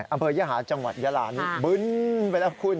อำเภอยหาจังหวัดยาลานี่บึ้นไปแล้วคุณ